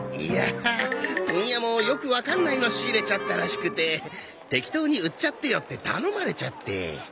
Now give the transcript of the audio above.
いやあ問屋もよくわかんないの仕入れちゃったらしくて適当に売っちゃってよって頼まれちゃって。